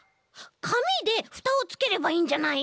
かみでふたをつければいいんじゃない？